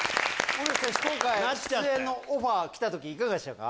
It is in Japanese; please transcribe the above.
今回出演のオファー来た時いかがでしたか？